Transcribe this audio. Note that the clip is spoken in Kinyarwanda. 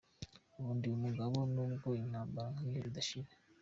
Ubu ndi umugabo nubwo intambara nkiyo idashira.